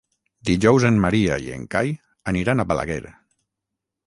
Dijous en Maria i en Cai aniran a Balaguer.